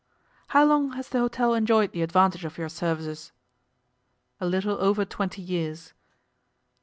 'How long has the hotel enjoyed the advantage of your services?' 'A little over twenty years.